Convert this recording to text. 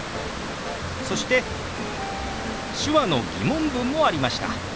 そして手話の疑問文もありました。